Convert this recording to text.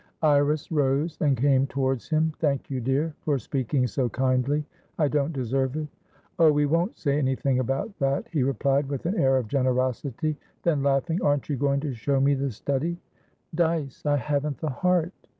Iris rose and came towards him. "Thank you, dear, for speaking so kindly. I don't deserve it." "Oh, we won't say anything about that," he replied, with an air of generosity. Then, laughing, "Aren't you going to show me the study?" "Dyce! I haven't the heart."